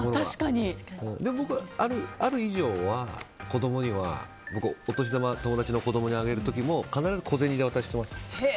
僕は、ある以上は子供にはお年玉、友達の子供にあげる時も必ず小銭で渡しています。